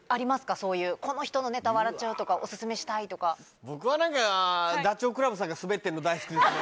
そういう、この人のネタ、笑っちゃうとか、お勧めし僕はなんか、ダチョウ倶楽部さんがスベってるの大好きですね。